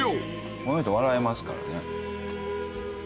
この人笑えますからね。